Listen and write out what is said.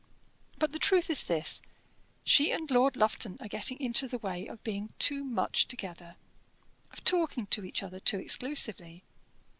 "But the truth is this: she and Lord Lufton are getting into the way of being too much together of talking to each other too exclusively.